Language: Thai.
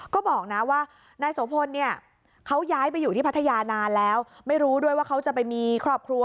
ก็บอกนะว่านายโสพลเนี่ยเขาย้ายไปอยู่ที่พัทยานานแล้วไม่รู้ด้วยว่าเขาจะไปมีครอบครัว